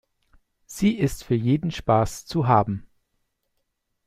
Sie ist für jeden Spaß zu haben.